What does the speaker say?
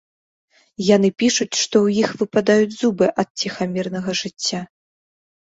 Яны пішуць, што ў іх выпадаюць зубы ад ціхамірнага жыцця.